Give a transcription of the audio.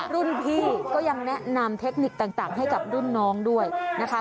รุ่นพี่ก็ยังแนะนำเทคนิคต่างให้กับรุ่นน้องด้วยนะคะ